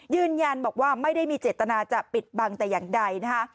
ยืนยันบอกว่าไม่ได้มีเจตนาจะปิดบังแต่อย่างใดนะคะ